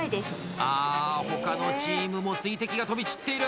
他のチームも水滴が飛び散っている！